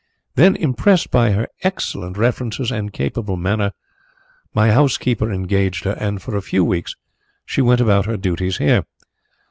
Then, impressed by her excellent references and capable manner, my housekeeper engaged her, and for a few weeks she went about her duties here.